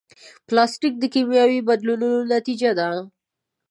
پلاستيک د کیمیاوي بدلونونو نتیجه ده.